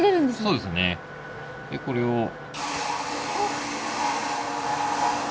でこれを。